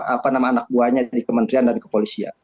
apa nama anak buahnya di kementerian dan kepolisian